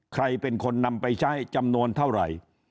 ใครเป็นคนนำไปใช้จำนวนเท่าไหร่